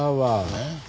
えっ？